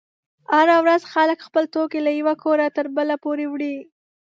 هره ورځ خلک خپل توکي له یوه کوره تر بله پورې وړي.